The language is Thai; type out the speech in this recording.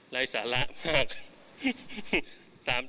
ไร้สาระมาก